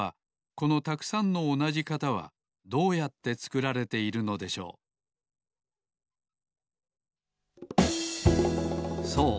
このたくさんのおなじ型はどうやってつくられているのでしょうそう